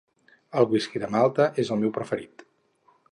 El whisky de malta és el meu preferit.